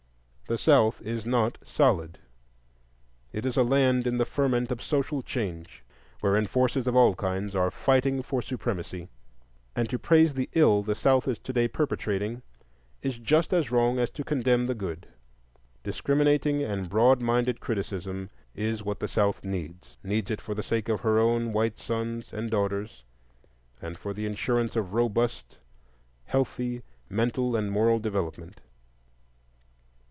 The South is not "solid"; it is a land in the ferment of social change, wherein forces of all kinds are fighting for supremacy; and to praise the ill the South is today perpetrating is just as wrong as to condemn the good. Discriminating and broad minded criticism is what the South needs,—needs it for the sake of her own white sons and daughters, and for the insurance of robust, healthy mental and moral development.